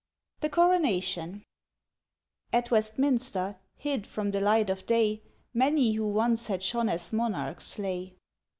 THE CORONATION AT Westminster, hid from the light of day, Many who once had shone as monarchs lay.